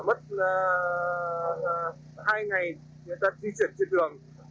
mất hai ngày người ta di chuyển trên đường